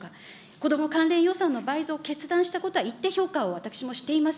子ども関連予算の倍増を決断したことは、一定評価を私もしています。